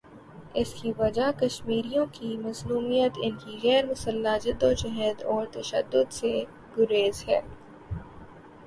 اس کی وجہ کشمیریوں کی مظلومیت، ان کی غیر مسلح جد وجہد اور تشدد سے گریز ہے۔